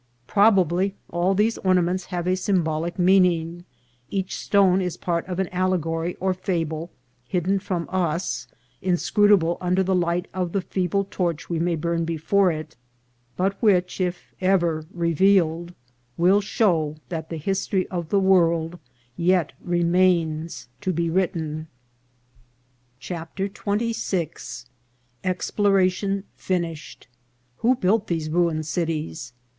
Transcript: Probably all these ornaments have a symbolical mean ing ; each stone is part of an allegory or fable, hidden from us, inscrutable under the light of the feeble torch we may burn before it, but which, if ever revealed, will show that the history of the world yet remains to be written. 38 436 INCIDENTS OF TRAVEL. CHAPTER XXVI. Exploration finished. — Who built these ruined Cities